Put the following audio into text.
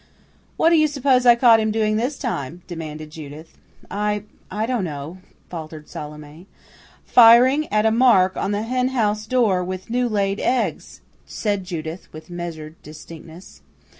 "What do you suppose I caught him doing this time?" demanded Judith. "I I don't know," faltered Salome. "Firing at a mark on the henhouse door with new laid eggs," said Judith with measured distinctness.